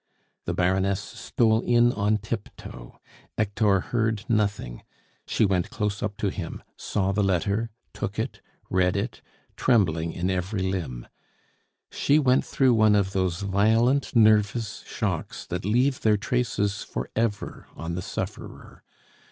The Baroness stole in on tiptoe; Hector heard nothing; she went close up to him, saw the letter, took it, read it, trembling in every limb. She went through one of those violent nervous shocks that leave their traces for ever on the sufferer.